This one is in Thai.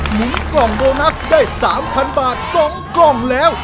หมุนกล่องโบนัสได้๓๐๐บาท๒กล่องแล้ว